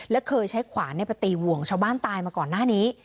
และเคยใช้ขวานไปตีห่วงชาวบ้านตายมาก่อนหน้านี้